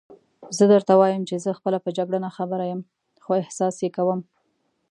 زه درته وایم چې زه خپله په جګړه ناخبره یم، خو احساس یې کوم.